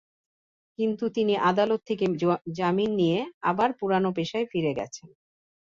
কিন্তু তিনি আদালত থেকে জামিন নিয়ে আবার পুরোনো পেশায় ফিরে গেছেন।